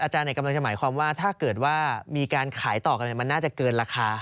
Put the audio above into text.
กำลังจะหมายความว่าถ้าเกิดว่ามีการขายต่อกันมันน่าจะเกินราคา